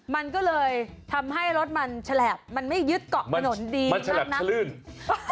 มันก็เลยทำให้รถมันฉลาบมันไม่ยึดเกาะถนนดีมากนักลื่น